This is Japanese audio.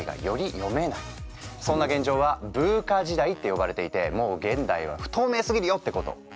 そんな現状はＶＵＣＡ時代って呼ばれていてもう現代は不透明すぎるよってこと。